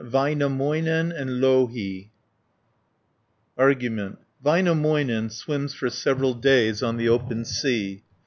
VÄINÄMÖINEN AND LOUHI Argument Väinämöinen swims for several days on the open sea (1 88).